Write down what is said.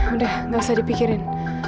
udah gak usah dipikirin